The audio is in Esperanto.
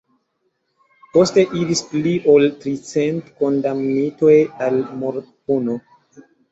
Poste iris pli ol tricent kondamnitoj al mortpuno.